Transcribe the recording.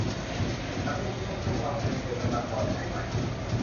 ฉันไม่คิดว่าพวกเราเคยเจอกันมาก่อน ใช่ไหม ?